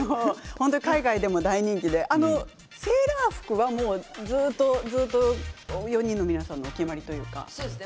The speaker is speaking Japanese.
海外でも大人気でセーラー服はずっと４人の皆さんのお決まりなんですか。